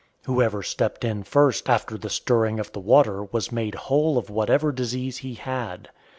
Whoever stepped in first after the stirring of the water was made whole of whatever disease he had.